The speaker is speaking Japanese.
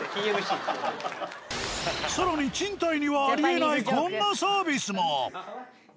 更に賃貸にはありえないこんなサービスも。